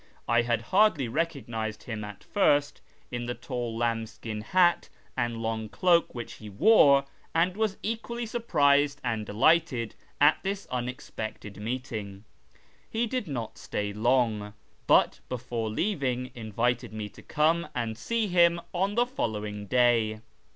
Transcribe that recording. I hardly recognised him at first, in the tall lambskin cap and long cloak which he wore, and was equally surprised and delighted at this unexpected meeting. He did not stay long, but before leaving invited me to come and see him on the following day.